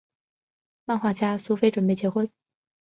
漫画家苏菲准备结婚。